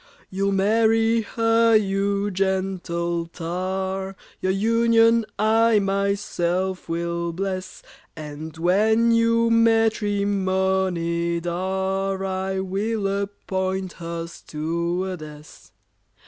"You'll marry her, you gentle tar— Your union I myself will bless, And when you matrimonied are, I will appoint her stewardess."